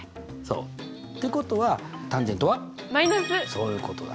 そういうことだ。